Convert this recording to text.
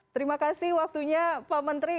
terima kasih waktunya pak menteri